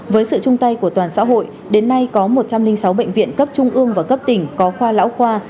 với sự chung tay của toàn xã hội đến nay có một trăm linh sáu bệnh viện cấp trung ương và cấp tỉnh có khoa lão khoa